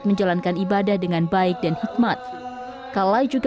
saya makin teringat pada waktu muda umur